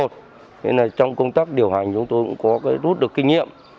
thế nên trong công tác điều hành chúng tôi cũng có rút được kinh nghiệm